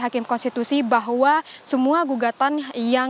hakim konstitusi bahwa semua gugatan yang